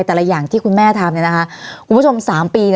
แต่ละอย่างที่คุณแม่ทำเนี่ยนะคะคุณผู้ชม๓ปี